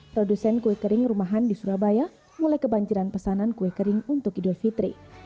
produsen kue kering rumahan di surabaya mulai kebanjiran pesanan kue kering untuk idul fitri